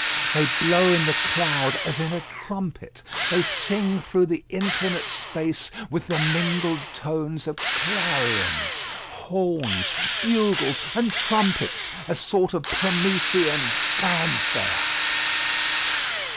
They blow in the cloud as in a trumpet; they sing through the infinite space with the mingled tones of clarions, horns, bugles, and trumpets a sort of Promethean fanfare.